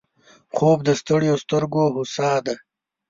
خوب د ستړیو سترګو هوسا ده